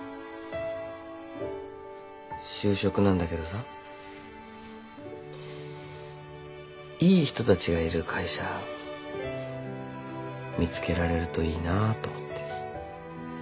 就職なんだけどさいい人たちがいる会社見つけられるといいなと思って。